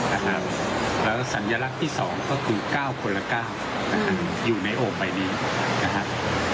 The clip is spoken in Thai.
แล้วสัญลักษณ์ที่๒ก็คือ๙คนละ๙นะครับอยู่ในโอ่งใบนี้นะครับ